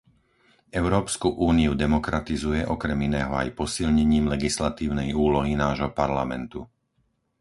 Európsku úniu demokratizuje okrem iného aj posilnením legislatívnej úlohy nášho Parlamentu.